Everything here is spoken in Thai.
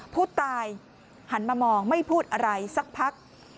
ผู้ตายหันมามองไม่พูดอะไรสักพัก